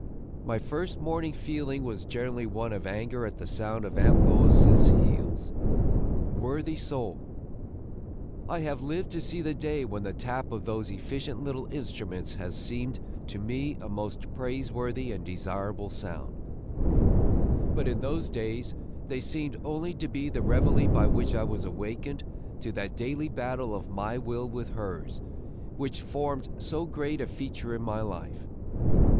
My first morning feeling was generally one of anger at the sound of Aunt Lois's heels, worthy soul! I have lived to see the day when the tap of those efficient little instruments has seemed to me a most praiseworthy and desirable sound; but in those days they seemed only to be the reveille by which I was awakened to that daily battle of my will with hers which formed so great a feature in my life.